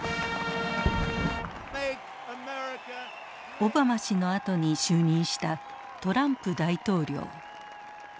オバマ氏のあとに就任したトランプ大統領。